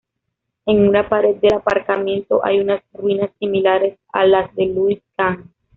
En una pared del aparcamiento hay unas "ruinas" similares a las de Louis Kahn.